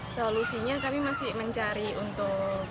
solusinya kami masih mencari untuk